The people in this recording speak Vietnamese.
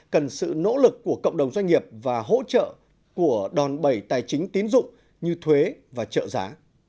cần sự nỗ lực của cộng đồng doanh nghiệp và hỗ trợ của đòn bẩy tài chính tín dụng như thuế và trợ giá